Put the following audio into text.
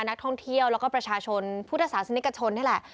นักท่องเที่ยวแล้วก็ประชาชนพุทธศาสนิกชนนี่แหละ